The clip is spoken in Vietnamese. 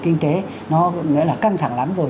kinh tế nó nghĩa là căng thẳng lắm rồi